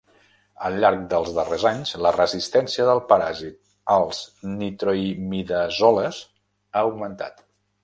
Al llarg dels darrers anys, la resistència del paràsit als nitroimidazoles ha augmentat.